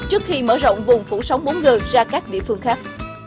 trước khi mở rộng vùng phủ sóng bốn g ra các địa phương khác